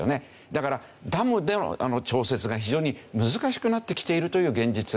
だからダムでの調節が非常に難しくなってきているという現実がある。